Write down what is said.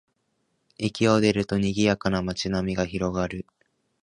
駅を出ると、にぎやかな街並みが広がる